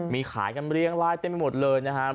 มีขายกันเรียงลายเต็มไปหมดเลยนะครับ